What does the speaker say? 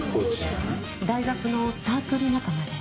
大学のサークル仲間で。